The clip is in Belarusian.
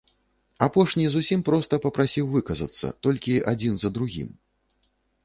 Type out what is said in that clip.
Апошні зусім проста папрасіў выказацца, толькі адзін за другім.